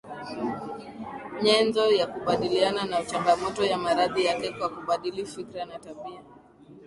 nyenzo ya kukabiliana na changamoto ya maradhi yake kwa kubadili fikra na tabia